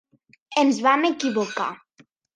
Ens vam equivocar.